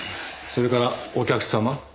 それからお客様。